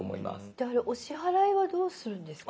であれお支払いはどうするんですか？